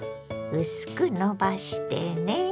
薄くのばしてね。